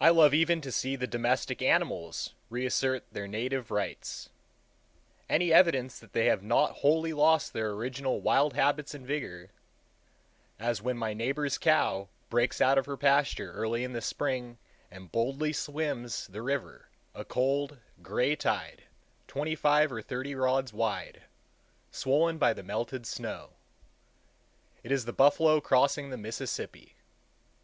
I love even to see the domestic animals reassert their native rights—any evidence that they have not wholly lost their original wild habits and vigor; as when my neighbor's cow breaks out of her pasture early in the spring and boldly swims the river, a cold, gray tide, twenty five or thirty rods wide, swollen by the melted snow. It is the buffalo crossing the Mississippi.